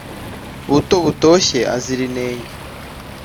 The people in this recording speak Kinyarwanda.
buto butoshye azira inenge